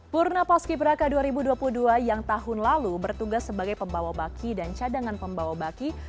purna paski braka dua ribu dua puluh dua yang tahun lalu bertugas sebagai pembawa baki dan cadangan pembawa baki